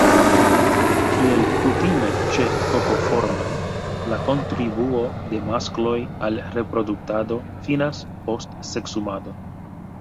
Kiel kutime ĉe Kokoformaj, la kontribuo de maskloj al reproduktado finas post seksumado.